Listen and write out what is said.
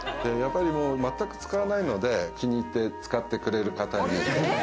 全く使わないので気に入って使ってくれる方に。